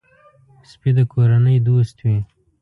سپي د کورنۍ دوست وي.